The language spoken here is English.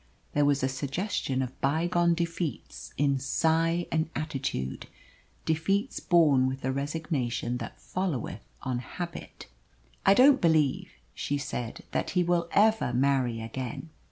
There was a suggestion of bygone defeats in sigh and attitude defeats borne with the resignation that followeth on habit. "I don't believe," she said, "that he will ever marry again."